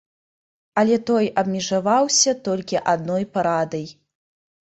Але той абмежаваўся толькі адной парадай.